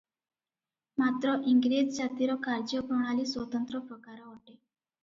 ମାତ୍ର ଇଂରେଜ ଜାତିର କାର୍ଯ୍ୟପ୍ରଣାଳୀ ସ୍ୱତନ୍ତ୍ର ପ୍ରକାର ଅଟେ ।